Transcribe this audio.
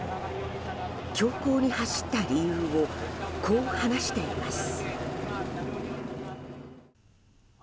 凶行に走った理由をこう話しています。